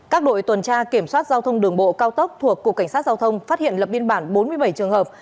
các đội tuần tra kiểm soát giao thông đường bộ cao tốc thuộc cục cảnh sát giao thông phát hiện lập biên bản bốn mươi bảy trường hợp